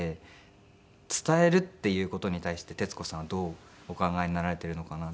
伝えるっていう事に対して徹子さんはどうお考えになられているのかなって。